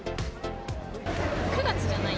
９月じゃない。